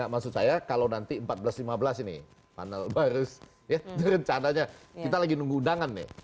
maksud saya kalau nanti empat belas lima belas ini panel baru rencananya kita lagi nunggu undangan nih